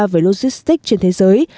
về logistic trên thế giới